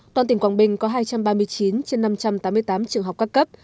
toàn tỉnh quảng bình có hai trăm ba mươi chín trên năm trăm tám mươi tám trường học các cấp